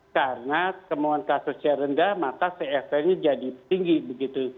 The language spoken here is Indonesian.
karena temuan kasusnya rendah maka tfn nya jadi tinggi